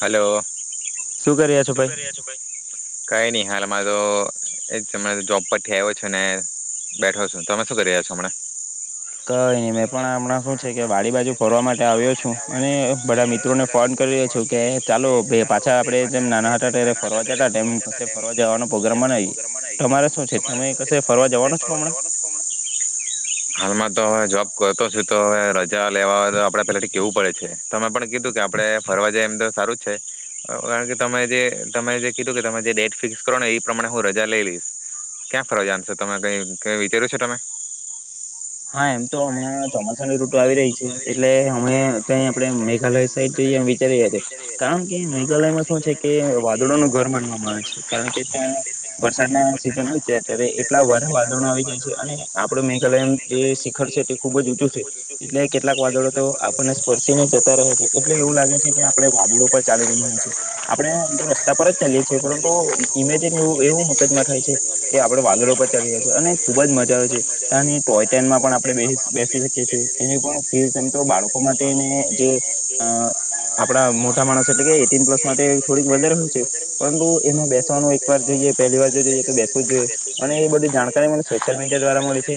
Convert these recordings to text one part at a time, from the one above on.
Hello, hello. શું કરી્યા છો ભાઈ? કઈ નઈ હાલ અમારો એજ જોબ પરથી આવ્યો છે ને બેઠો છો તમે શું કરી રહ્યા છો હમણાં. ક અહીંયા મેં પણ હમણાં શું છે કે વાડી બાજુ ફરવા માટે આવ્યો છું અને બધા મિત્રોને ફોન કર્યો છું કે ચાલો પાછા આપડે જેમ નાના હતા ફરવા જતા તેમ કશે ફરવા જવાનો પ્રોગ્રામ બનાવીએ. તમારે શું છે તમે કશે ફરવા જવાનો છો હમણાં? તો હાલમાં મેં જોબ. કરતો છું તો હવે રજા લેવા આપડે પેલાથી કેવું પડે છે. તમે પણ કીધું કે આપડે ફરવા જાયએ એમ તો સારું જ છે કારણ કે તમે જે તમે જે કીધું કે તમે જે ડેટ ફિક્સ કરો ને એ પ્રમાણે હું રજા લઈ લઈશ. ક્યાં ફરવા જવાનાશો તમે કઈ કઈ વિચાર્યું છે તમે? હા એમ તો હમણાં ચોમાસાની ઋટુ આવી રહી છે. એટલે અમે ત્યાં આપણે મેઘાલય સાઈડ જઈ વિચારી રહ્યા છે. કારણ કે મેઘાલયમાં શું છે કે વાદળોનું ઘર માનવામાં આવે છે કારણ કે ત્યાં વરસાદના સિઝન આવી જાય ત્યારે એટલા વધારે વાદળો આવી જાય છે અને આપડે મેઘાલય જે શિખર છે તે ખુબ જ ઊચું છે એટલે કેટલાક વાદળો તો આપણને સ્પર્શી ને જતા રહે છે એટલે એવું લાગે છે કે આપણે વાદળો પર ચાલી રહ્યા છીએ. આપડણે રસ્તા પર જ ચાલીએ છીએ પરંતુ ઇમેજિન એવું એવું મગજમાં થાય છે કે આપડણે વાદળો પર ચાલી રહ્યા છીએ અને ખુબ જ મજા આવે છે. કારણ યે તોએ ટેનમાં પણ આપણે બે બેસી શકીએ છીએ એની પણ ફીસ એમ તો બાળકો માટેને જે અહ આપણા મોટા માણસો એટલે કે એટીન પ્લસ માટે થોડીક વધારે હોય છે પરંતુ એમાં બેસવાનું એકવાર જોઈએ પહેલી વાર જોઈએ તો બેસવું જ જોઈએ અને એ બધી જાણકારી મને સોશિયલ મીડિયા દ્વારા મળી છે.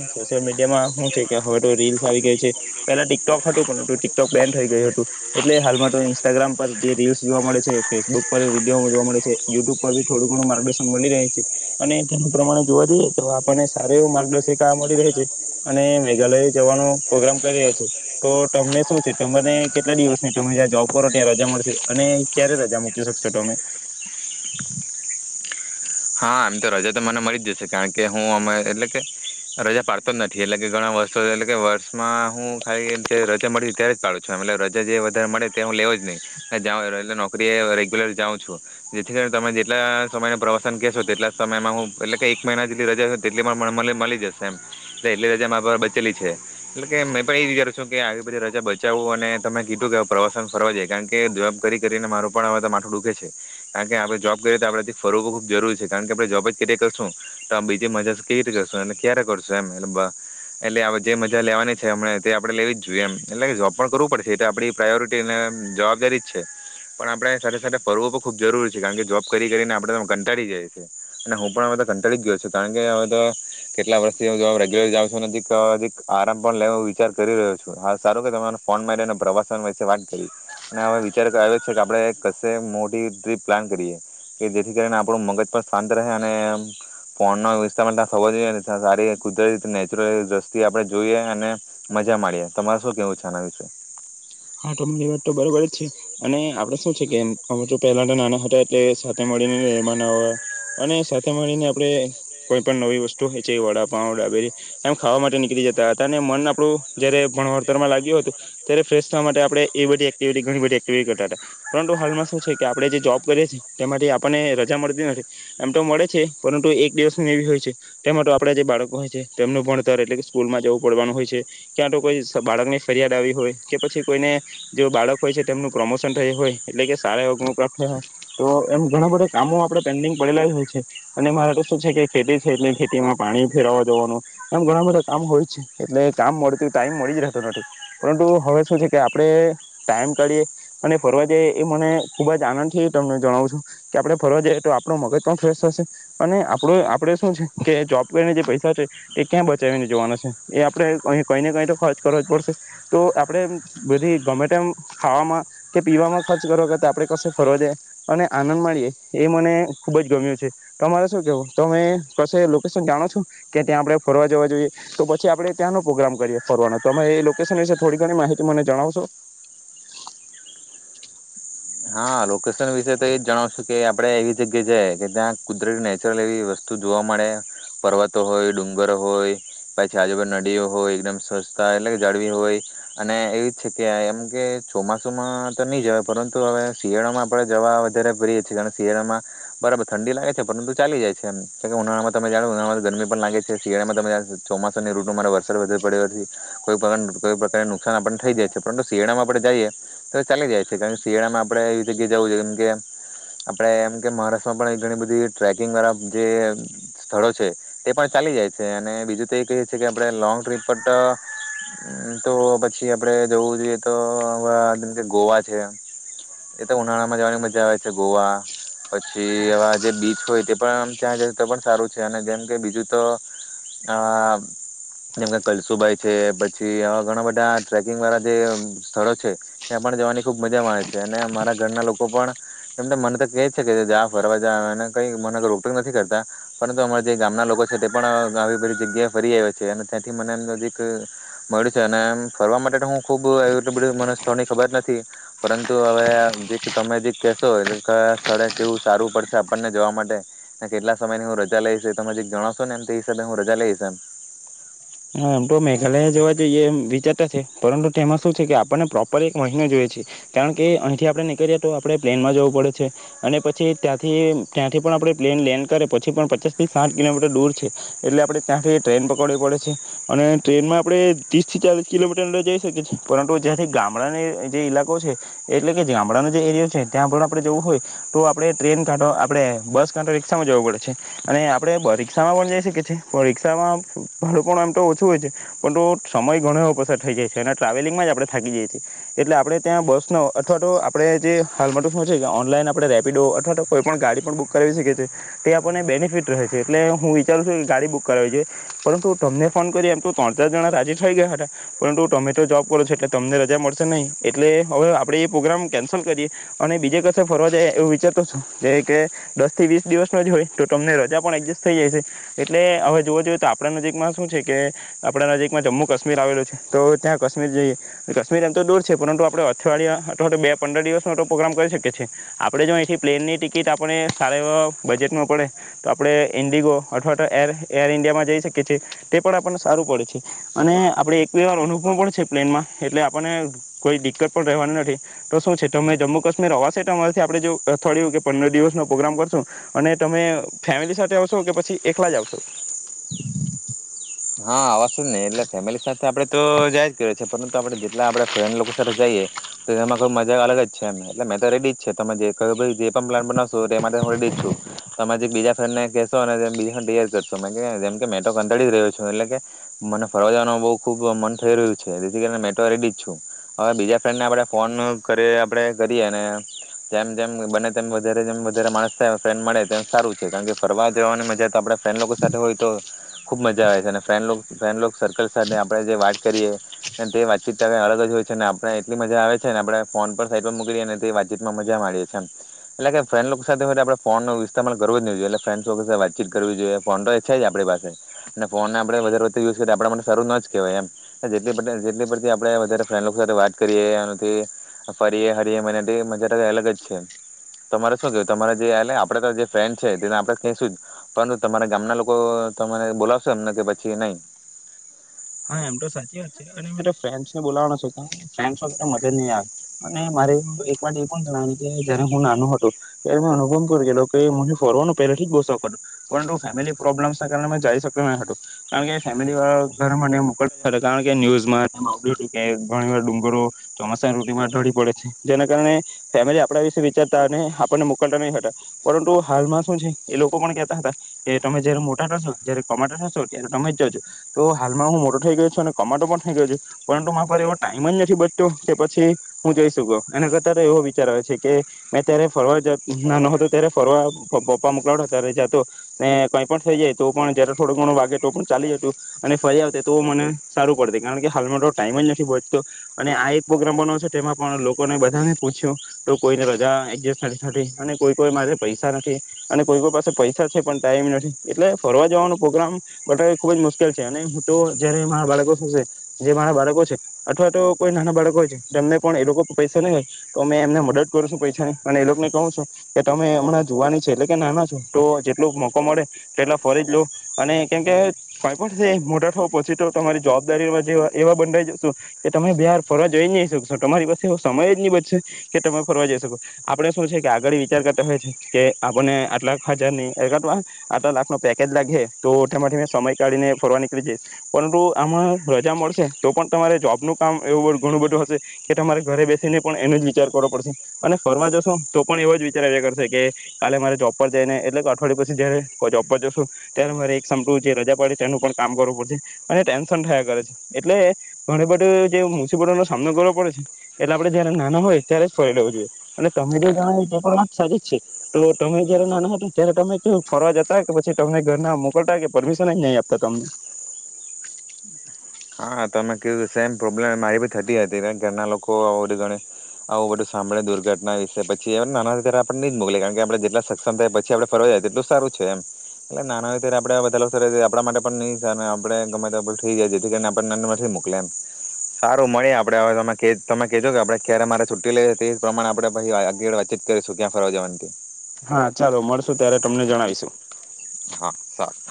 તેમાં હું છે કે હવે તો રીલ્સ આવી ગઈ છે. પેલા ટિકટોક હટો [inaudible] તો ટીકટોક બેન થઈ ગયું હતું એટલે હાલમાં તો ઇન્સ્ટાગ્રામ પર જે રીલ્સ જોવા મળે છે ફેસબુક પર વિડીયો જોવા મળે છે યુટ્યુબ પરી થોડું ઘણું માર્ગદર્શન મળી રહે છે અને તેના પ્રમાણે જોવા જઈએ તો આપણને સાર એવ માર્ગદર્શિકા મળી રહે જે અને મેઘાલય જવાનો પ્રગ્રામ કરી રહ્યા છે તો તમને શું છે તમને કેટલા દિવસની તમે જ્યા જોબ કરો છો ત્યાં રજા મળશે અને ક્યારે રજા મૂકી શકશો તમે? હા એમ તો રજા તો મને મળી જ જશે કારણ કે હું અ એટલે કે રજા પાડતો જ નથી એટલે કે ઘણા વર્ષો એટલે કે વર્ષમાં હું ખાલી રજા મળી ત્યારે જ પાડું છું એટ રજા જે વધારે મળે તે હું લેવ જ નહી એલે નોકરી રેગ્યુલર જાઉં છું જેથી કરીને તમે જેટલા સમયનો પ્રવાસ તન કહેશો તેટલા સમયમાં હું એટલે કે એક મહિના જેટલી રજા તેટલી પણ મળી જશે એમ. એટલી રજા મા બચેલી છે. એટલે કે મેં પણ એ વિચારું છું કે પછી રજા બચાવું અને તમે કીધું કે પ્રવાસન ફરવા જઈ કારણ કે જોબ કરી કરીને મારું પણ હવે તો માથું દુઃખે છે કારણ કે આપણે જોબ કરીએ તો આપણેથી ફરવું જરૂરી છે કારણ કે આપણે જોબજ કર્યા કરશું તો આ બીજી મજા કેવી રીતે કરશું અને ક્યારે કરશું એમ એલે એટલે જે મજા લેવાની છે હમણે તે આપણે લેવી જ જોઈએ એમ એટલે કે જોબ પણ કરવું પડશે એ તો આપણી પ્રાયોરિટી અને જવાબદારી જ છે. પણ આપણે સાથે સાથે ફરવું પણ ખૂબ જરૂરી છે. કારણ કે જોબ કરી કરીને આપણે કંટાળી જાય છે. અને હું પણ હવે તો કંટાળી ગયો છું કારણ કે હવે તો કેટલા વર્ષથી હું જોબ રેગ્યુલર જાઉં છું ને અધિક આરામ પણ લે વિચાર કરી રહ્યો છું. હા સારો કે તમારા ફોનમાંરી અને પ્રવાસન વિષય વાત કરી અને હવે વિચાર આવ્યો છે કે આપણે કશે મોટી ટ્રીપ પ્લાન કરીએ કે જે જેથી કરીને આપણું મગજ પણ શાંત રહે અને, ફોનના વિસ્તારમાં તાં ફરવા જોઈએ ને તાં સારી કુદરતી રીતે નેચરલ દ્રષ્ટિ આપણે જોઈએ અને મજા માંણીએ, તમારે શું કેવું છે આના વિષય? હા તમની વાત તો બરોબર જ છે અને આપડે શું છે કે અમે અમે તો પહેલાના નાના હતા એટલે સાથે મળીને નહેરમાં નાવા અને સાથે મળીને આપણે કોઈ પણ નવી વસ્તુ હો છે વડાપાંવ ડાબેરી એમ ખાવા માટે નીકળી જતા હતા, અને મન આપણું જયારે ભણવળતર માં લાગ્યું હતું ત્યારે ફ્રેશ થવા માટે આપણે એ બધી એક્ટિવિટી ઘણી બધી એક્ટિવિટી કરતા હતા. પરંતુ હાલમાં શું છે કે આપણે જે જોબ કરીએ છીએ, તેમાંથી આપણને રજા મળતી નથી. એમ તો મળે છે, પરંતુ એક દિવસની એવી હોય છે, તેમાં તો આપણાં જે બાળકો હોય છે તેમનું ભણતર એટલે કે સ્કૂલમાં જવું પડવાનું હોય છે, ક્યાં તો કોઈ બાળકની ફરિયાદ આવી હોય કે પછી કોઈને જે બાળક હોય છે તેમનું પ્રમોશન થયું હોય, એટલે કે સારા એવા ગુણ પ્રાપ્ત થયા હોય, તો એમ ઘણા બધા કામો આપણે પેન્ડિંગ પડેલા જ હોય છે. અને મારે તો શું છે કે ખેતી છે એટલે ખેતીમાં પાણી ફેરવવા જવાનું એમ ઘણા બધા કામ હોય છે એટલે કામ મળતું, ટાઈમ મળી જ રહેતો નથી. પરંતુ હવે શું છે કે આપણે ટાઈમ કાઢીએ અને ફરવા જઈએ, એ મને ખૂબ જ આનંદથી તમને જણાવું છું, કે આપડે ફરવા જઈએ તો આપણું મગજ પણ ફ્રેશ થશે, અને આપડું આપડે શું છે કે જોબ કરીને જે પૈસા છે, એ ક્યાં બચાવીને જવાના છે? એ આપણે અહી કંઈ ને કંઈ તો ખર્ચ કરવા જ પડશે. તો આપ ણે બધી ગમે તેમ ખાવામાં કે પીવામાં ખર્ચ કરવા કરતા આપણે કશે ફરવા જાય અને આનંદ માણીએ એ મને ખૂબ જ ગમ્યું છે. તમારે શું કેહવું? તમે કશે લોકેશન જાણો છો કે ત્યાં આપડે ફરવા જવા જોઈએ? તો પછી આપણે ત્યાંનો પ્રોગ્રામ કરીએ ફરવાનો તમે એ લોકેશન વિશે થોડી ઘણી માહિતી મને જણાવશો? હા લોકે શન વિશે તો એ જ જણાવશું કે આ આપણે એવી જગ્યાએ જાએ કે ત્યાં કુદરતી નેચરલ એવી વસ્તુ જોવા મળે, પર્વતો હોય, ડુંગર હોય, પછી આજુબાજુ નદીઓ હોય, એકદમ સ્વચ્છતા એટલે કે જાળવી હોય, અને એવી જ જગ્યા એમ કે ચોમાસુમાં તો નીં જવાય પરંતુ હવે શિયાળામાં આપડે જવા વધારે ફરિયે છીએ, કારણ શિયાળામાં બરાબર ઠંડી લાગે છે, પરંતુ ચાલી જાય છે, એમ. કારણ કે ઉનાળામાં તમે જાણો ઉનાળામાં ગરમી પણ લાગે છે. શિયાળામાં તમે ચોમાસાની રૂતુમાં તમારે વરસાદ વધુ પડ્યો હોવાથી કોઈ પ્રકાર કોઈ પ્રકાર નુકસાન આપણને થઈ જાય છે. પરંતુ શિયાળામાં આપણે જાઈએ તો ચાલી જાય છે, કારણ કે શિયાળામાં આપ આપણે એવી જગ્યાએ જવું જોઈએ, જેમ કે આપણે એમ કે મહારાષ્ટ્રમાં પણ ઘણી બધી ટ્રેકિંગવાળા જે સ્થળો છે તે પણ ચાલી જાય છે. અને બીજું તો એ કહીએ છે, કે આપણે લોંગ ટ્રીપ પર તો અહ પછી આપણે જવું જોઈએ તો જેમકે ગોવા છે એ તો ઉનાળામાં જવાની મજા આવે છે ગોવા, પછી આવા જે બીચ હોય તે પણ ત્યાં જઈએ તો પણ સારું છે. અને જેમ કે બીજું તો આહ જેમકે કલસુબાઈ છે, પછી આવા ઘણા બધા ટ્રેકિંગવાળા જે સ્થળો છે ત્યાં પણ જવાની ખૂબ મજામાં આવે છે અને અમારા ઘરના લોકો પણ એમને મને તો કે જ છે કે, જા ફરવા જા, અને કંઈ મને કોઈ રોકટોક નથી કરતા, પરંતુ અમારા જે ગામના લોકો છે તે પણ આવી બધી જગ્યાએ ફરી આયવા છે, અને ત્યાંથી મને એમ નજીક મળ્યું છે અને એમ ફરવા માટે હું ખુબ એમ સ્થળની ખબર નથી પરં તો હવે આ જે તમે જે કહેશો એટલે કયા સ્થળે કેવું સારું પડશે આપણને જવા માટે, ને કેટલા સમયની હું રજા લઈશ એ તમે જીરીક જણાવશો ને એમ તો એ હિસાબે હું રજા લઈશ એમ. હા, એમ તો મેઘાલયા જોવા જઈએ એમ વિચારતા છે, પરંતુ તેમાં શું છે કે આપણને પ્રોપર એક મહિનો જોઈએ છે. કારણ કે અહીંથી આપણે નીકળીએ તો આપણે પ્લેનમાં જવું પડે છે. અને પછી ત્યાંથી, ત્યાંથી પણ આપણે પ્લેન લેન્ડ કરે પછી પણ પચાસથી સાઠ કિલોમીટર દૂર છે, એટલે આપણે ત્યાંથી ટ્રેન પકડવી પડે છે. અને ટ્રેનમાં આપણે ત્રીસ થી ચાલીસ કિલોમીટર અંદર જઈ શકીએ છીએ, પરંતુ જ્યાંથી ગામડાની જે ઈલાકો છે, એટલે કે ગામડાનો જે એરિયો છે ત્યાં પણ આપણે જવું હોય તો આપણે ટ્રેન કાં તો આપણે બસ કાં તો રિક્ષામાં જવું પડે છે. અને આપણે રિક્ષામાં પણ જઈ શકીએ છીએ પણ રિક્ષામાં ભાડું પણ આમ તો ઓછું હોય છે, પરંતુ સમય ઘણો એવો પસાર થઈ જાય છે, અને ટ્રાવેલિંગમાં જ આપણે થાકી જઈએ છીએ. એટલે આપણે ત્યાં બસનો અથવા તો આપણે જે હાલમાં તો શું છે કે ઓનલાઈન આપણે રેપિડો અથવા તો કોઈ પણ ગાડી પણ બુક કરાવી શકીએ છીએ, તે આપણને બેનિફિટ રહે છે, એટલે હું વિચારું છું કે ગાડી બુક કરાવવી જોઈએ. પરંતુ તમને ફોન કરીએ એમ તો ત્રણ ચાર જણા રાજી થઈ ગયા હતા, પરંતુ તમે તો જોબ કરો છો, એટલે તમને રજા મળશે નહીં. એટલે હવે આપણે એ પોગરામ કેન્સલ કરીએ. અને બીજે કસે ફરવા જાએ એવું વિચારતો છું, જે કે દસથી વીસ દિવસનો જ હોય, તો તમને રજા પણ એડજસ્ટ થઈ જાય છે. એટલે હવે જોવા જોઈએ તો આપણા નજીકમાં શું છે કે આપણા નજીકમાં જમ્મુ કાશ્મીર આવેલું છે, તો ત્યાં કાશ્મીર જઈએ. કાશ્મીર એમ તો દૂર છે પરંતુ આપણે અથવાડિયા અઠવા તો બે પંદર દિવસનો તો પ્રોગ્રામ કરી શકીએ છીએ. આપણે જો અહીંથી પ્લેનની ટિકિટ આપણને સારા એવા બજેટમાં પડે, તો આપણે ઇન્ડિગો અથવા તો એર એર ઇન્ડિયામાં જઈ શકીએ છીએ. તે પણ આપણને સારું પડે છે. અને આપડે એક બે વાર અનુભવ પણ છે પ્લેનમાં, એટલે આપણને કોઈ દિકકત પણ રહેવાની નથી. તો શું છે તમે જમ્મુ કાશ્મીર અવાશે તમારથી આપડે જો અથવાડિયું કે પંદર દિવસનો પોગરામ કરશું, અને તમે ફેમિલી સાથે આવશો કે પછી એખલા જ આવશો? હા અવાસે જ ને, એટલે ફેમિલી સાથે આપડે તો જાય જ કરે છે, પરંતુ આપડણે જેટલા આપડે ફ્રેન્ડ લોકો સાથે જઈએ તો એમાં કંઈ મજા અલગ જ છે, એમ. એટલે મેં તો રેડી જ છે તમે જે કંઈ જે પણ પ્લાન બનાવશો એમાં તો હું રેડી જ છું. તમે જે બીજા ફ્રેન્ડને કહેશો અને બીજી [unintelligible] કરશો મે જેમ કે મેં તો કંટાળી જ રેયલો છું, એટલે કે મને ફરવા જવાનું બહુ ખુબ મન થઈ રયલું છે, જેથી કરીને મેંટો રેડી જ છું. હવે બીજા ફ્રેન્ડને આપણે ફોન કરી આપે કરીએ અને જેમ જેમ બને તેમ વધ જેમ વધારે માણસ ફન્ડ મળે તેમ સારું છે, કારણ કે ફરવા જવાની મજા તો આપ ફ્રેન્ડ લોકો સાથે હોય તો ખુબ મજા મઝા આવે છે, અને ફ્રેન્ડ લોક ફ્રેન્ડ લોક સર્કલ સાથે આપણેે જે વાત કરીએ તે વાતચીત તો કંઈ અલગ જ હોય છે. ને આપણે એટલી મજા આવે છે ને આપણે ફોન પર સાઈટ પર મૂકી દઈએ અને તે વાતચીતમાં મજા માડીએ છીએ એમ. એટલે કે ફ્રેન્ડ લોક સાથે હોય તો આપણે ફોનનો ઈસ્તેમાલ કરવો જ નહીં જોઈએ, એટલે ફ્રેન્ડ લોક સાથે વાતચીત કરવી જોઈએ, ફોન તો છે જ આપણી પાસે, ને ફોનને આપડે વધારે વખતે યુઝ કરીએ તે આપડે માટે સારું ન જ કહેવાય એમ. ને જેટલી પડતી આપડે જેટલી પડતી આપડે વધારે ફ્રેન્ડ લોકો સાથે વાત કરીએ એથી ફરીએ હરીએ, મને તે મજા તો કાંઈ અલગ જ છે એમ. તમારે શું કેવું તમારે જે, એટલે આપણે તો જે ફ્રેન્ડ છે તેમને તો આપણે કહીશું જ, પરંતુ તમારા ગામના લોકો તમે બોલાવ શો એમને કે પછી નહીં? હા એમ તો સાચી વાત છે. અને મેં તો ફ્રેન્ડ્સને બોલાવાનો છુ પણ ફ્રેન્ડ્સ વગર તો મજા જ નહીં આવે, અને મારે એક વા એક વાત એ પણ કરવાની છે, કે જયારે હું નાનો હતો, ત્યારે મે અનુભમ કરી ગેલો કે મને ફોરવાનું પહેલાથી જ બો સોખ હતો, પરંતુ ફેમિલી પ્રોબ્લેમ્સના કારણે મેં જઈ શક્યો ન હતો, કારણ કે ફેમિલીવાળા વાળા મને મોકલતા અને કારણકે ન્યુઝમાં [unintelligible] કે ઘણી વાર ડુંગરો ચોમાસાની ૠતૂમાં ઢળી પડે છે, જેના કારણે ફેમિલી આપડા વિશે વિચારતા હોય અને આપણને મોકલતા નહીં હતા, પરંતુ હાલમાં શું છે, એ લોકો પણ કેહેતા હતા, કે તમે જયારે મોટા થશો જયારે કમાટા થશો ત્યારે તમે જ જજો. તો હાલમાં હું મોટો થઈ ગયો છું અને કમાટો પણ થઈ ગયો છું, પરંતુ મારા પર એવો ટાઈમ જ નથી બચતો કે પછી હું જઈ શક્યો. એના કરતા તો એવો વિચાર આવે છે કે, મેં ત્યારે ફરવા જ નાનો હતો ત્યારે ફરવા પપ્પા મોકલાવતા ત્યારે જાતો ને કંઈ પણ થઈ જાય તો પણ જયારે થોડો ઘણું વાગે તો પણ ચાલી જતું અને ફરી આવતે, તો મને સારું પડતે કારણ કે હાલમાં તો ટાઈમ જ નથી બચતો, અને આ એક પોગરામ બનાયવો છે, તેમાં પણ લોકોને બધાને પૂછ્યું તો કોઈને રજા એડજસ્ટ નથી થતી, અને કોઈ કોઈ પાસે પૈસા નથી, અને કોઈ કોઈ પાસે પૈસા છે પણ ટાઈમ નથી એટલે ફરવા જવાનું પોગરામ બટાયવો ખૂબ જ મુસ્કે મુસ્કેલ છે, અને હું તો જયારે મારા બાળકો થશે, જે મારા બાળકો છે અથવા તો કોઈ નાના બાળકો હોય છે તેમને પણ એ લોકો પર પૈસા નહીં હોય, તો અમે એમને મદદ કરું છું પૈસાની અને એ લોકને કહું છું, કે તમે હમણાં જુવાની છે, એટલે કે નાના છો તો જેટલો મોકો મળે તેટલા ફરીજ લો. અને કેમકે કાંઈ પણ થાય, મોટા થવ પછી તો તમારી જવાબદારી જે એવા બંધાઈ જશું કે તમે બાર ફરવા જઈ જ નહીં સકશો, તમારી પાસે એવો સમય જ નહી બચસે, કે તમે ફરવા જઈ શકો. આપણે શું છે કે આગળ વિચાર કરતા હોઈયે છે, કે આપણને આટ લાખ હજારની આટલા લાખનો પેકેજ લાગહે, તો તેમાંથી મેં સમય કાઢીને ફરવા નીકળી જઈસ, પરંતુ આમાં રજા મળશે તો પણ તમારે જોબનું કામ એવું બધું, ઘણું બધું હશે કે તમારે ઘરે બેસીને પણ એનો જ વિચાર કરવો પડશે. અને ફરવા જશો તો પણ એવો જ વિચાર આવ્યા કરશે કે કાલે મારે જોબ પર જઈને એટલે અઠવાડિયુ પછી જયારે જોબ પર જશો, ત્યારે મારે એક સામટું જે રજા પડી તેનું પણ કામ કરવું પડસે, અને ટેન્સન થયા કરે છે. એટલે ઘણી બધું જે મુસીબતોનો સામનો કરવો પડે છે, એટલે આપડે જયારે નાના હોય ત્યારે જ ફરી લેવું જોઈએ. અને તમે જે જણાવી તે પણ વાત સાચી જ છે. તો તમે જયારે નાના ત્યારે તમે કેવુંક ફરવા જતા કે પછી તમને ઘરના મોકલતા કે પરમિશ ન જ નહીં આપતા તમને? હા તો તમે કીધું, સેમ પ્રોબ્લેમ મારે બી થતી હતી. ઘરના લોકો આવ બધું ગણે આવું બધું સાંભળે દુર્ઘટના વિશે પછી એ નાના હોય ત્યારે આપણે ની જ મોકલે. કારણ કે આપણે જેટલા સક્ષમ થાય પછી આપણે ફરવા જાયએ એટલું સારું છે એમ. એટલે નાના હોય ત્યારે આપણે આ બધા લોક સાથે સર આપણા માટે પણ નહીં સારુંને આપણે ગમે તે આપણને થઈ જાય જેથી કરીને આપ ને નથી મોકલે એમ. સારું મળીએ આપડે હવે તમે તમે કેજો કે આપડે ક્યારે મારે છુટ્ટી લઈ તે જ પ્રમાણે આપણે પછી વાતચીત કરીશું ક્યાં ફરવા જવાની તે. હા ચાલો મળશુ ત્યારે તમને જણાવીશું. સારુ